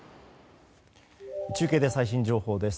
中継で最新情報です。